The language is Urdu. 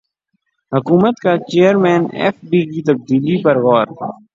حکومت کا چیئرمین ایف بی کی تبدیلی پر غور